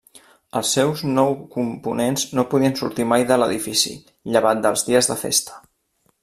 Els seus nou components no podien sortir mai de l'edifici, llevat dels dies de festa.